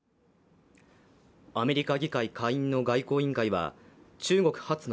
アメリカ議会下院の外交委員会は中国発の